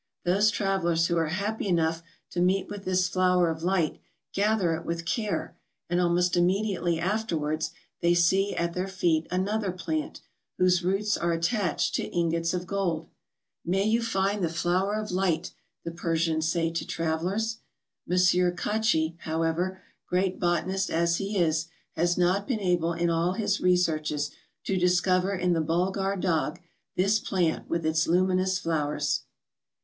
Those travellers who are happy enough to meet with this flower of light gather it with care, and almost immediately afterwards they see at their feet another plant, whose roots are attached to ingots of gold. " May you find the flower of light! " the Persians say to travellers. M. Kotschy, however, great botanist as he is, has not been able in all his reseai'ches to discover in the Bulghar Dagh this plant with its luminous flowers.